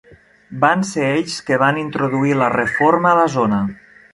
Van ser ells que van introduir la Reforma a la zona.